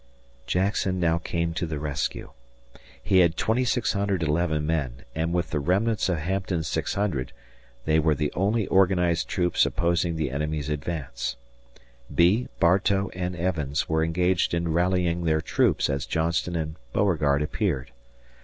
Jackson now came to the rescue. He had 2611 men and with the remnants of Hampton's 600, they were the only organized troops opposing the enemy's advance. Bee, Bartow, and Evans were engaged in rallying their troops as Johnston and Beauregard appeared.